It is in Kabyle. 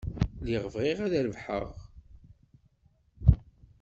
Lliɣ bɣiɣ ad terbeḥ.